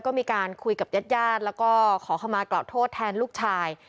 ก็มีการคุยกับญาติญาติแล้วก็ขอเข้ามากล่าวโทษแทนลูกชาย